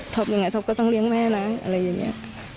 ถอบยังไงถอบก็ต้องเลี้ยงแม่นะอะไรแบบนี้